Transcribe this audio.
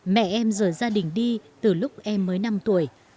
mẹ em rời gia đình đi từ lúc em mới năm tuổi